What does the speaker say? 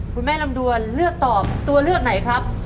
ลำดวนเลือกตอบตัวเลือกไหนครับ